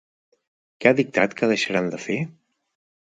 Què ha dictat que deixaran de fer?